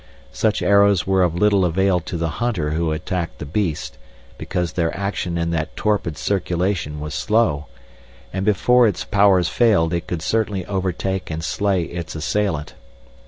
Such arrows were of little avail to the hunter who attacked the beast, because their action in that torpid circulation was slow, and before its powers failed it could certainly overtake and slay its assailant.